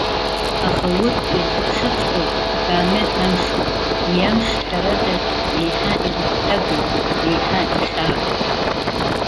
Аха, урҭ ирзыԥшыҵәҟьоу, акаамеҭ амш ауп. Уи амш, ҳәарада, еиҳа игәыҭҟьагоуп, еиҳа ихьаагоуп.